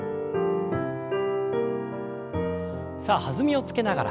さあ弾みをつけながら。